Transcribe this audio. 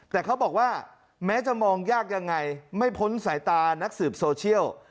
แต่เขาบอกว่าแม้จะมองยากยังไงไม่พ้นสายตานักสืบโซเชียล